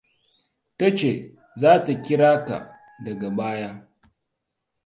Ta ce za ta kira ka daga baya.